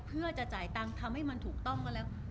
เพื่อจะจ่ายตังค์ทำให้มันถูกต้องก็แล้ว